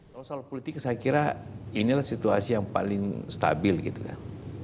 kalau soal politik saya kira inilah situasi yang paling stabil gitu kan